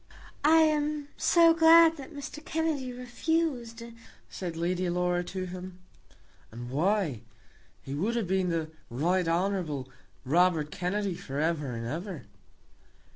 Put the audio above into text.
"I am so glad that Mr. Kennedy refused," said Lady Laura to him. "And why? He would have been the Right Hon. Robert Kennedy for ever and ever."